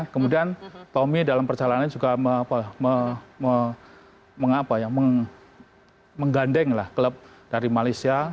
kemudian tommy dalam perjalanan juga menggandeng klub dari malaysia